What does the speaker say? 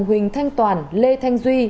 huỳnh thanh toàn lê thanh duy